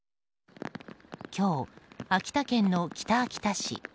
今日、秋田県の北秋田市。